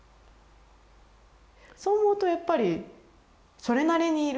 そう思うとやっぱりそれなりにいる。